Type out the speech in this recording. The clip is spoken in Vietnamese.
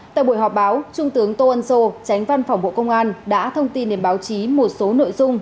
tại buổi họp báo trung tướng tô ân sô tránh văn phòng bộ công an đã thông tin đến báo chí một số nội dung